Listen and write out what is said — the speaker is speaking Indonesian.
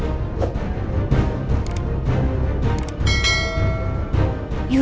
aku yakin mereka berencanakan sesuatu